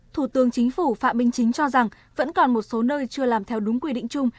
thủ tướng chính phủ phạm minh chính cho rằng vẫn còn một số nơi chưa làm theo đúng quy định chung